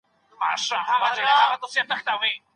څه شي د ریښتیني بریالیتوب او خوښۍ اصلي بنسټ جوړوي؟